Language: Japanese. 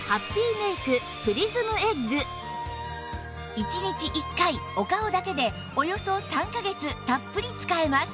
１日１回お顔だけでおよそ３カ月たっぷり使えます